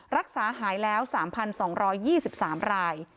รักษาหายแล้ว๓๒๒๓ราย